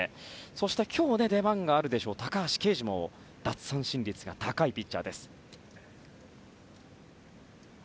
そして今日、出番があるでしょう高橋奎二も奪三振率が高いピッチャーです。